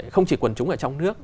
không chỉ quần chúng ở trong nước